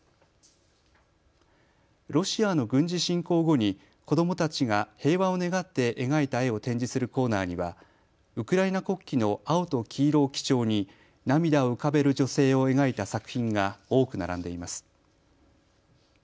ロシアの軍事侵攻後に子どもたちが平和を願って描いた絵を展示するコーナーにはウクライナ国旗の青と黄色を基調に涙を浮かべる女性を描いた作品が多く並んでいます。